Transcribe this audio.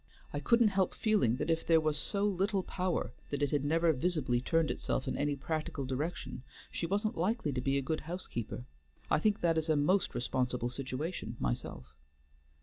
I couldn't help feeling that if there was so little power that it had never visibly turned itself in any practical direction, she wasn't likely to be a good housekeeper. I think that is a most responsible situation, myself."